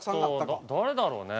あと誰だろうね？